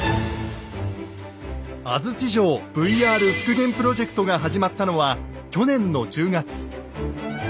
「安土城ＶＲ復元プロジェクト」が始まったのは去年の１０月。